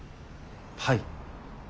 はい。